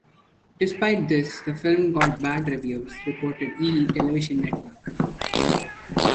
Despite this, the film got bad reviews, reported E! television network.